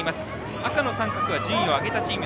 赤の三角は順位を上げたチーム。